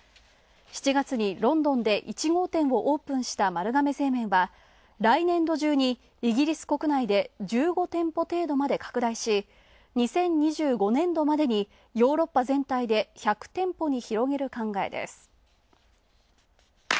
７月にロンドンで１号店をオープンした丸亀製麺は来年度中にイギリス国内で１５店舗程度まで拡大し、２０２５年度までにヨーロッパ全体で１００店舗に広げる考えです。